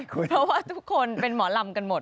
เพราะว่าทุกคนเป็นหมอลำกันหมด